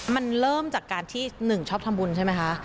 มันเริ่มจากการที่หนึ่งชอบทำบุญใช่ไหมคะ